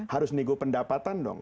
harus nego pendapatan dong